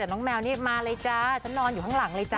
แต่น้องแมวนี่มาเลยจ้าฉันนอนอยู่ข้างหลังเลยจ้